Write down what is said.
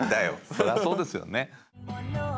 そりゃそうですよね。